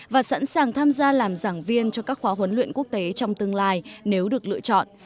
và sẵn sàng tham gia làm giảng viên cho các khóa huấn luyện quốc tế trong tương lai nếu được lựa chọn